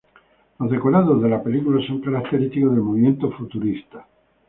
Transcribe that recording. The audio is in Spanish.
Los decorados de la película son característicos del movimiento Futurista.